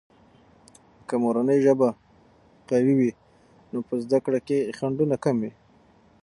که مورنۍ ژبه قوية وي، نو په زده کړه کې خنډونه کم وي.